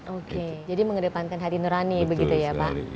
oke jadi mengedepankan hati nurani begitu ya pak